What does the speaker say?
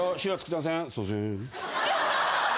すいません。